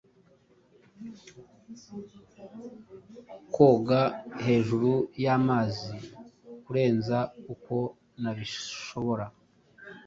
Koga hejuru yamazi kurenza uko nabishobora